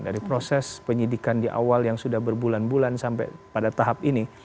dari proses penyidikan di awal yang sudah berbulan bulan sampai pada tahap ini